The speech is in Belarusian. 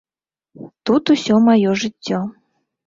Тут усё маё жыццё.